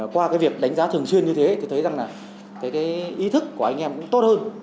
qua cái việc đánh giá thường xuyên như thế thì thấy rằng là cái ý thức của anh em cũng tốt hơn